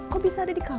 kok bisa ada di kamu